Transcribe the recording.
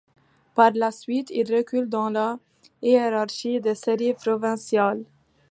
Par la suite, il recule dans la hiérarchie des séries provinciales.